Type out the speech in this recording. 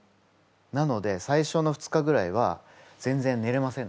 なので最初の２日ぐらいは全然ねれませんでした。